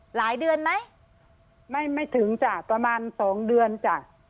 หลายเดือนไหมไม่ไม่ถึงจ้ะประมาณสองเดือนจ้ะ